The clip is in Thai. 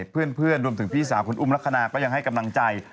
เพื่อนรวมถึงพี่สาวคุณอุ้มลักษณะก็ยังให้กำลังใจ